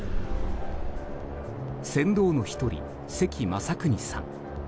船頭の１人、関雅有さん。